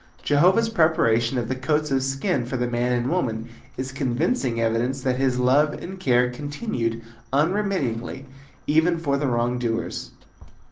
Jehovah's preparation of the coats of skin for the man and woman is convincing evidence that his love and care continued unremittingly even for the wrong doers.